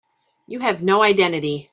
You have no identity.